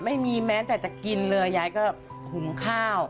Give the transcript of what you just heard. ไม่มีแม้แต่จะกินเลยยายก็หุงข้าว